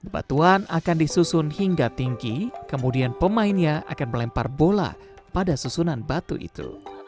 batuan akan disusun hingga tinggi kemudian pemainnya akan melempar bola pada susunan batu itu